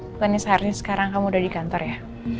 bukan seharusnya sekarang kamu udah di kantor ya